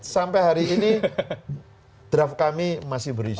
sampai hari ini draft kami masih berisi